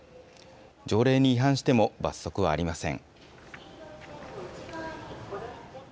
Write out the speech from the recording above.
条例に違反しても罰則はありません。